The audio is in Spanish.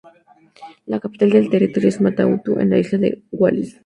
La capital del territorio es Mata-Utu, en la isla de Wallis.